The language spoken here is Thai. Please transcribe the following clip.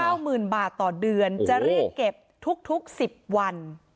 เก้ามื่นบาทต่อเดือนเอ้าจะรีกเก็บทุกสิบวัน